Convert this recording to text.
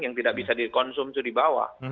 yang tidak bisa dikonsumsi di bawah